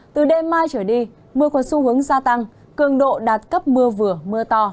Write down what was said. từ đêm mai trở đi mưa có xu hướng gia tăng cường độ đạt cấp mưa vừa mưa to